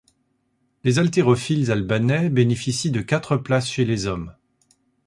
Les haltérophiles albanais bénéficient de quatre places chez les hommes.